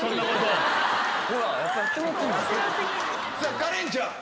さぁカレンちゃん。